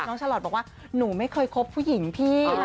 ฉลอดบอกว่าหนูไม่เคยคบผู้หญิงพี่